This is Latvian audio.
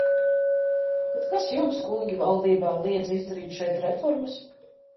Tad kas jums, kungi valdībā, liedza izdarīt šeit reformas?